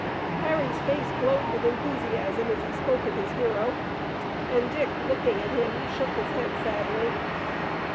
Harry's face glowed with enthusiasm as he spoke of his hero, and Dick, looking at him, shook his head sadly.